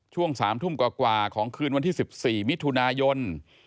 ช่วง๓ทุ่มกว่าของคืนวันที่๑๔มิถุนายน